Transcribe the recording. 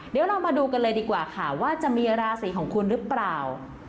เดี๋ยวเรามาดูกันเลยดีกว่าค่ะว่าจะมีราศีของคุณหรือเปล่า